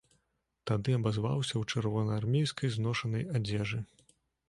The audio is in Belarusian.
Тады абазваўся ў чырвонаармейскай зношанай адзежы.